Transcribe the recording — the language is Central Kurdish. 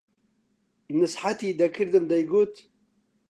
نسحەتی دەکردم دەیگوت: